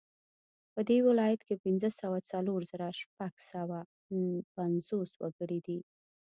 په دې ولایت کې پنځه سوه څلور زره شپږ سوه نهه پنځوس وګړي دي